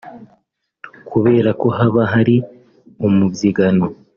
kubera ko haba hari umubyigano